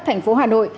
thành phố hà nội